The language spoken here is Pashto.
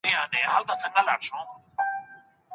که مینه وي نو ماشوم نه ژاړي.